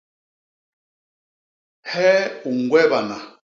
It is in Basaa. Hee u ñgwebana?